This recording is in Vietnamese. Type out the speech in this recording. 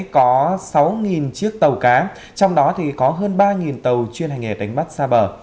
có sáu chiếc tàu cá trong đó thì có hơn ba tàu chuyên hành nghề đánh bắt xa bờ